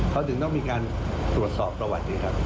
เขาถึงต้องมีการตรวจสอบประวัตินะครับ